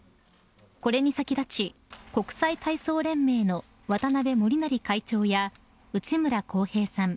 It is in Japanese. これに先立ち、国際体操連盟の渡辺守成会長や内村航平さん